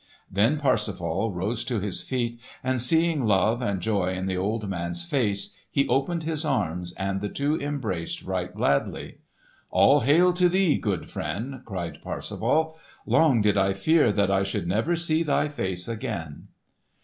Then Parsifal rose to his feet, and seeing love and joy in the old man's face he opened his arms and the two embraced right gladly. "All hail to thee, good friend!" cried Parsifal. "Long did I fear that I should never see thy face again."